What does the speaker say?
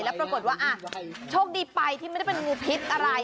แล้วปรากฏว่าโชคดีไปที่ไม่ได้เป็นงูพิษอะไร